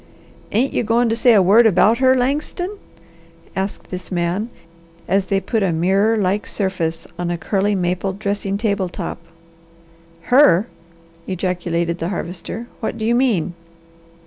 "Ain't you going to say a word about her, Langston?" asked this man as they put a mirror like surface on a curly maple dressing table top. "Her!" ejaculated the Harvester. "What do you mean?"